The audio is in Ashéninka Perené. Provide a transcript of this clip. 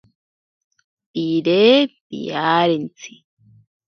Pire piarentsi.